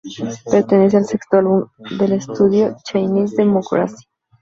Pertenece al sexto álbum de estudio de la banda, "Chinese Democracy".